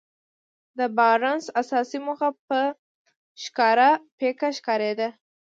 د بارنس اساسي موخه په ښکاره پيکه ښکارېده.